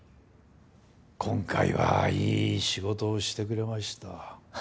今回はいい仕事をしてくれました。